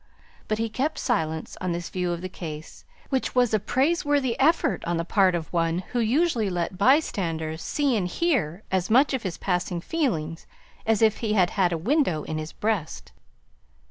But he kept silence on this view of the case; which was a praiseworthy effort on the part of one who usually let by standers see and hear as much of his passing feelings as if he had had a window in his breast.